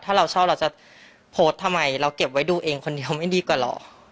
ถ้าเราชอบเราจะโพสต์ทำไมเราเก็บไว้ดูเองคนเดียวไม่ดีกว่าเหรอ